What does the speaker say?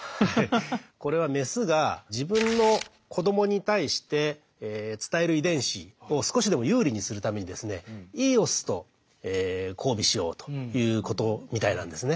これはメスが自分の子どもに対して伝える遺伝子を少しでも有利にするためにですねいいオスと交尾しようということみたいなんですね。